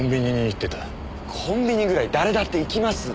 コンビニぐらい誰だって行きます。